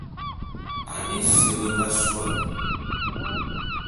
Ane ese be nga suane.